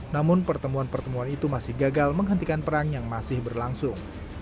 namun pertemuan pertemuan itu masih gagal menghentikan perang yang masih berlangsung